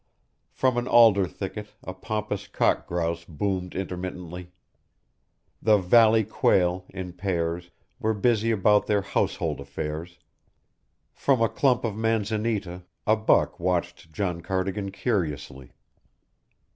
From an alder thicket a pompous cock grouse boomed intermittently; the valley quail, in pairs, were busy about their household affairs; from a clump of manzanita a buck watched John Cardigan curiously.